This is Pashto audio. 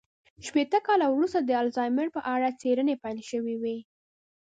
شپېته کاله وروسته د الزایمر په اړه څېړنې پيل شوې وې.